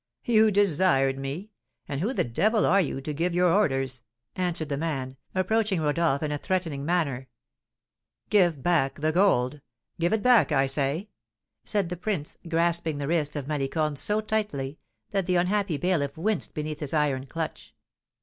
"You desired me! And who the devil are you, to give your orders?" answered the man, approaching Rodolph in a threatening manner. "Give back the gold! Give it back, I say!" said the prince, grasping the wrist of Malicorne so tightly that the unhappy bailiff winced beneath his iron clutch.